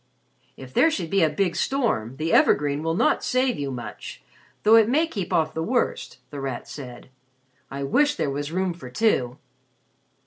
"If there should be a big storm, the evergreen will not save you much, though it may keep off the worst," The Rat said. "I wish there was room for two."